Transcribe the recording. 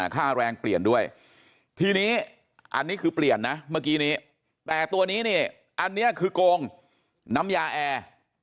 ค่าแรงเปลี่ยนด้วยทีนี้อันนี้คือเปลี่ยนนะเมื่อกี้นี้แต่ตัวนี้เนี่ยอันนี้คือโกงน้ำยาแอร์